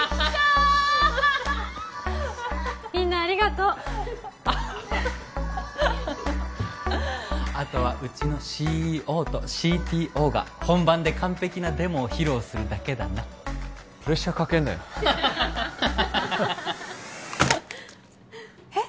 みんなありがとうあとはうちのＣＥＯとＣＴＯが本番で完璧なデモを披露するだけだなプレッシャーかけんなよえ？